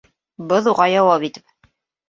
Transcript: Боҙ уға яуап итеп: